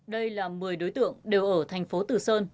đây là một mươi đối tượng đều ở thành phố tử sơn